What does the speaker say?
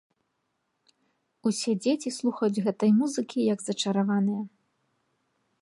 Усе дзеці слухаюць гэтай музыкі як зачараваныя.